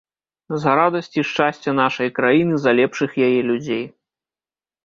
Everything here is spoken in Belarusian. За радасць і шчасце нашай краіны, за лепшых яе людзей.